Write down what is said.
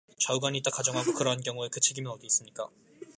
좌우간 있다 가정하고, 그러한 경우에 그 책임은 어디 있습니까?